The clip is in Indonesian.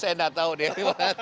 saya enggak tahu deh